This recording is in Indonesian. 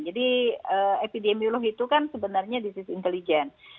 jadi epidemiolog itu kan sebenarnya this is intelligent